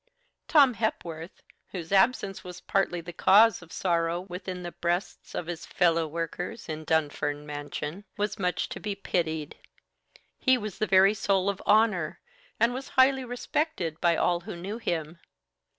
Tom Hepworth, whose absence was partly the cause of sorrow within the breasts of his fellow workers in Dunfern Mansion, was much to be pitied; he was the very soul of honour, and was highly respected by all who knew him.